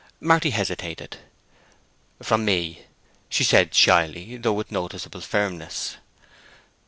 Marty hesitated. "From me," she said, shyly, though with noticeable firmness.